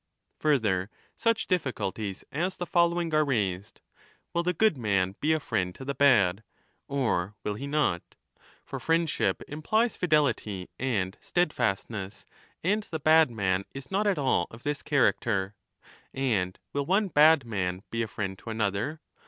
Further, such difficulties as the following are raised. Will the good man be a friend to the bad ? Or will he not ? For friendship implies fidelity and steadfastness, and the bad man is not at all of this character. And will one bad man be a friend to another?